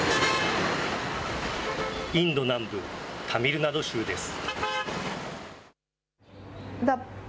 インド南部タミルナド州です。